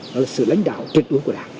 đó là sự lãnh đạo tuyệt ứng của đảng